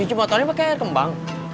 ini cuma tahunnya pake air kembang